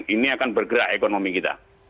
ini akan bergerak ekonomi kita